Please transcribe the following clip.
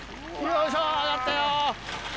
よいしょ、揚がったよ。